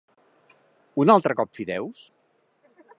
Un altre cop fideus?